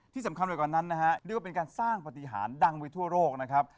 ที่สำคัญไปกว่านั้นนะฮะเรียกว่าเป็นการสร้างปฏิหารดังไปทั่วโลกนะครับ